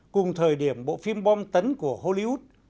cùng thời điểm bộ phim bom tấn của hollywood